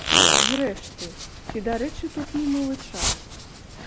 Зрэшты, ці дарэчы тут мінулы час?